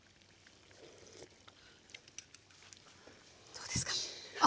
どうですか？